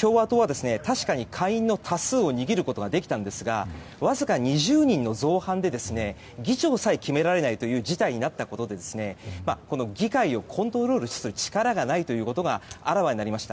共和党は確かに下院の多数を握ることができたんですがわずか２０人の造反で議長さえ決められないという事態になったことで議会をコントロールする力がないということがあらわになりました。